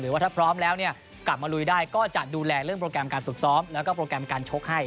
ว่าถ้าพร้อมแล้วเนี่ยกลับมาลุยได้ก็จะดูแลเรื่องโปรแกรมการฝึกซ้อมแล้วก็โปรแกรมการชกให้